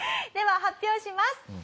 では発表します。